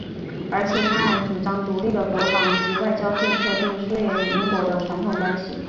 并且他还主张独立的国防及外交政策并疏远与英国的传统关系。